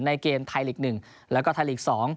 เกมไทยลีก๑แล้วก็ไทยลีก๒